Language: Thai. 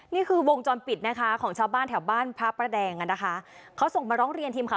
นี่คือวงจรปิดนะคะของชาวบ้านแถวบ้านพระประแดงอ่ะนะคะเขาส่งมาร้องเรียนทีมข่าว